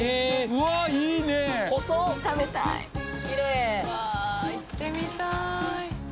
うわ行ってみたい！